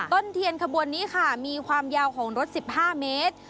ต้นเทียนขบวนนี้ค่ะมีความยาวของรถ๑๕เมตร